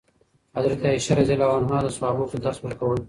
حضرت عایشه رضي الله عنها صحابه ته درس ورکول.